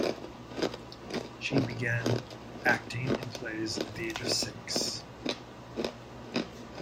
She began acting in plays at the age of six.